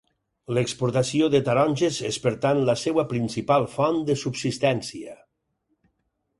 L'exportació de taronges és per tant la seva principal font de subsistència.